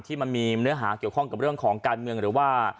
มันมีเนื้อหาเกี่ยวข้องกับเรื่องของการเมืองหรือว่า